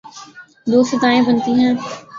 دو سزائیں بنتی ہیں۔